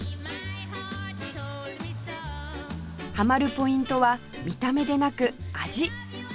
ハマるポイントは見た目でなく味